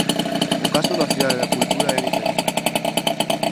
O caso da Cidade da Cultura é diferente.